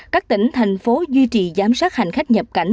các tỉnh thành phố duy trì giám sát hành khách nhập cảnh